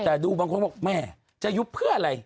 แต่ดูบางคนบอกแม่จะยุบเพื่ออะไร